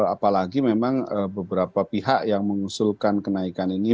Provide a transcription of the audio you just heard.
apalagi memang beberapa pihak yang mengusulkan kenaikan ini